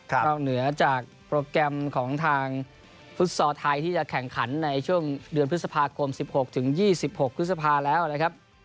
นอกเหนือจากโปรแกรมของทางฟุตซอลไทยที่จะแข่งขันในช่วงเดือนพฤษภาคม๑๖ถึง๒๖พฤษภาแล้วนะครับ